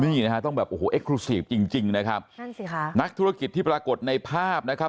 นี่นะฮะต้องแบบโอ้โหเอ็กครูซีฟจริงจริงนะครับนั่นสิค่ะนักธุรกิจที่ปรากฏในภาพนะครับ